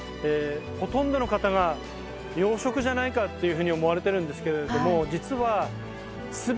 ほとんどの方が養殖じゃないかっていうふうに思われているんですけれども実は。